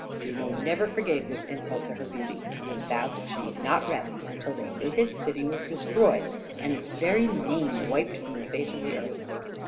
Juno never forgave this insult to her beauty, and vowed that she would not rest till the hated city was destroyed and its very name wiped from the face of the earth.